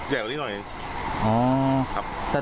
ใหญ่กว่านี้หน่อยครับ